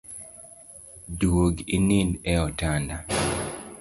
Duog inindi e otanda